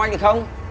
sao anh lại không